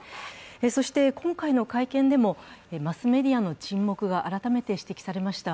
そして今回の会見でも、マスメディアの沈黙が改めて指摘されました。